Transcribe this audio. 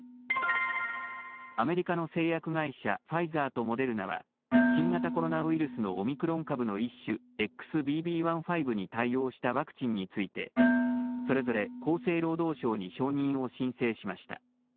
アメリカの製薬会社ファイザーとモデルナは新型コロナウイルスのオミクロン株の一種ＸＢＢ．１．５に対応したワクチンについてそれぞれ厚生労働省に承認を申請しました。